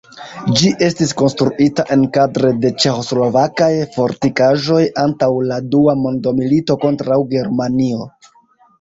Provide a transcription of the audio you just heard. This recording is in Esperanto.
Ĝi estis konstruita enkadre de ĉeĥoslovakaj fortikaĵoj antaŭ la dua mondmilito kontraŭ Germanio.